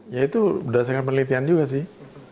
ya itu berdasarkan penelitian juga sih